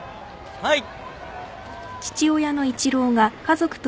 はい！